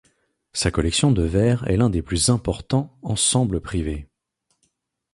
Sa collection de verres est l'un des plus importants ensembles privés.